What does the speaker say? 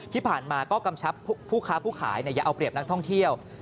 ที่ผ่านมาก็กำชับผู้ค้าผู้ขายอย่าเอาเปรียบนักท่องเที่ยว